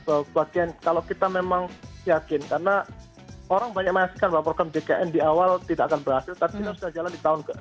bahwa bagian kalau kita memang yakin karena orang banyak memastikan bahwa program jkn di awal tidak akan berhasil tapi kita sudah jalan di tahun ke enam